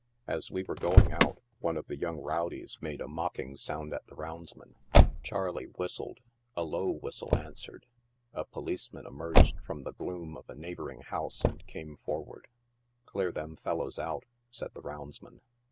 As we were going out, one of the young rowdies made a mocking 96 NIGHT SIDE OF NEW YORK. sound at tha roundsman. " Charley" whistled ; a low whistle an swered. A policeman emerged from the gloom of a neighboring house and came forward. " Clear them fellows out," said the roundsman.